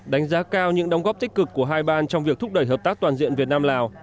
đánh giá cao những đóng góp tích cực của hai ban trong việc thúc đẩy hợp tác toàn diện việt nam lào